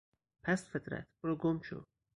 پست فطرت، بروگمشو!